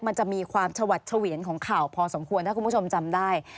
มันจะมีความฉวัดเฉวียนของข่าวพอสมควรถ้าคุณผู้ชมจำได้